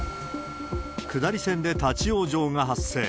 下り線で立往生が発生。